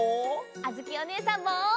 あづきおねえさんも！